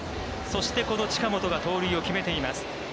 そして、この近本が盗塁を決めています。